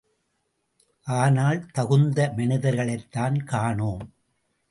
ஆனால் தகுந்த மனிதர்களைத்தான் காணோம்.